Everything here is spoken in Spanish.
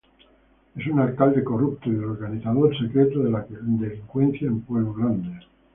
Es un alcalde corrupto y el organizador secreto de la delincuencia en Pueblo Grande.